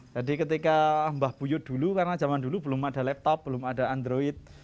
jadi ketika mbah buyut dulu karena zaman dulu belum ada laptop belum ada android